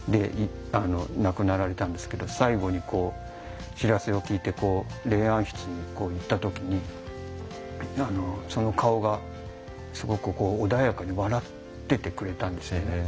亡くなられたんですけど最後に知らせを聞いて霊安室に行ったときにその顔が、すごく穏やかに笑っててくれたんですね。